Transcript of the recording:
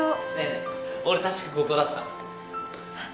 俺確かここだった。